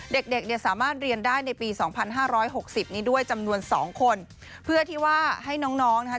เด็กเด็กเนี่ยสามารถเรียนได้ในปีสองพันห้าร้อยหกสิบนี้ด้วยจำนวนสองคนเพื่อที่ว่าให้น้องน้องนะคะ